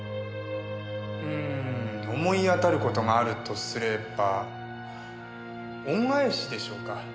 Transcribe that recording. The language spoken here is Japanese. うーん思い当たる事があるとすれば。恩返しでしょうか。